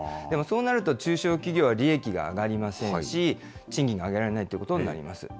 でもそうなると中小企業は利益が上がりませんし、賃金が上げられないということになります。